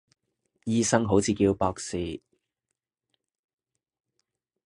醫生好似叫博士